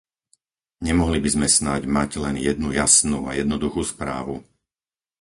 Nemohli by sme snáď mať len jednu jasnú a jednoduchú správu?